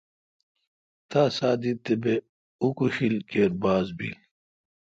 تا ساہ دیت تے° بہ اوکوشیل کیر باز بیل۔